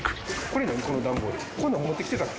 こういうの持ってきてたっけ？